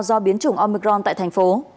do biến chủng omicron tại thành phố